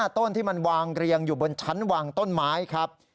ต้นที่มันวางเรียงอยู่บนชั้นวางต้นไม้ครับ